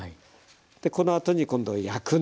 でこのあとに今度焼くんですよ。